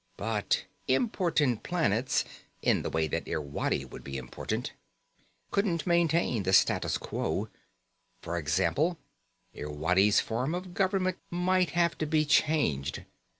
But important planets in the way that Irwadi would be important couldn't maintain the status quo. For example, Irwadi's form of government might have to be changed.